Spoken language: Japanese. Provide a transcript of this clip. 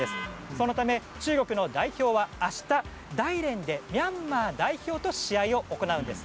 そのため中国の代表は明日、大連でミャンマー代表と試合を行うんです。